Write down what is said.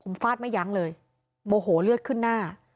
ผมฟาดไม่ยั้งเลยโมโหเลือดขึ้นหน้า